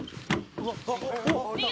うわっ。